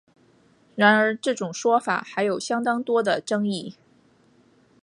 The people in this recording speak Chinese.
然而这种说法还有相当多的争议。